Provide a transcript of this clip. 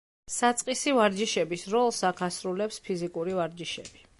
საწყისი ვარჯიშების როლს აქ ასრულებს ფიზიკური ვარჯიშები.